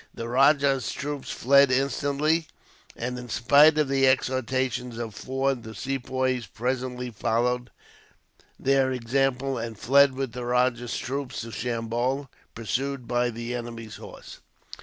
The rajah's troops fled instantly; and, in spite of the exhortations of Forde, the Sepoys presently followed their example, and fled with the rajah's troops to Chambol, pursued by the enemy's horse.